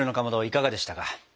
いかがでしたか？